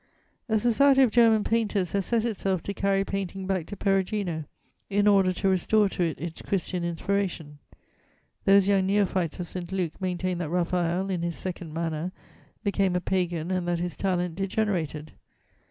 A society of German painters has set itself to carry painting back to Perugino, in order to restore to it its Christian inspiration. Those young neophytes of St. Luke maintain that Raphael, in his second manner, became a pagan and that his talent degenerated.